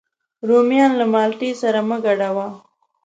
رومیان له مالټې سره مه ګډوه